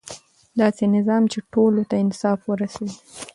داسې نظام چې ټولو ته انصاف ورسوي.